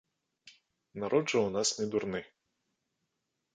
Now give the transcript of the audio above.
Народ жа ў нас не дурны.